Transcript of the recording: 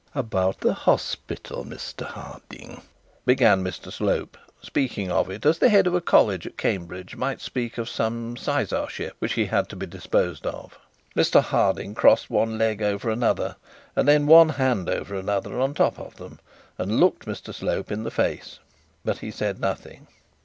'About the hospital, Mr Harding,' began Mr Slope, speaking of it as the head of college at Cambridge might speak of some sizarship which had to be disposed of. Mr Harding crossed one leg over the other, and then one hand over the other on the top of them, and looked Mr Slope in the face; but he said nothing.